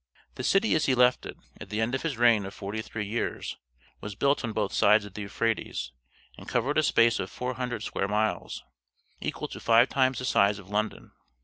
The city as he left it, at the end of his reign of forty three years, was built on both sides of the Euphrates, and covered a space of four hundred square miles, equal to five times the size of London.